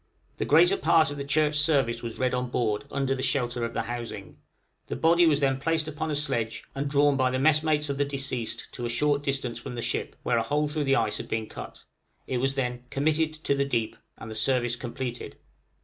The greater part of the Church Service was read on board, under shelter of the housing; the body was then placed upon a sledge, and drawn by the messmates of the deceased to a short distance from the ship, where a hole through the ice had been cut: it was then "committed to the deep," and the Service completed.